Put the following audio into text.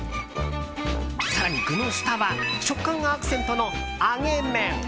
更に、具の下は食感がアクセントの揚げ麺。